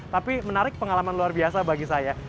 tapi menarik pengalaman luar biasa bagi saya